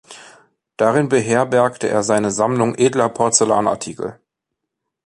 Darin beherbergte er seine Sammlung edler Porzellanartikel.